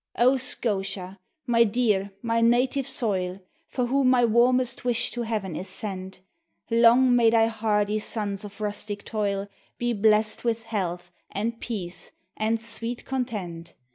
O Scotia! mv dear, my native soil! *>' 7 %J For whom my warmest wish to Heaven is sent, Long may thy hardy sous of rustic toil Be blest with health, and peace, and sweet content